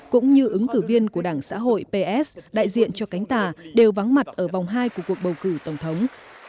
cũng như ứng cử viên của đảng xã hội ps đại diện cho cánh tả đều vắng mặt ở vòng hai của cuộc bầu cử tổng thống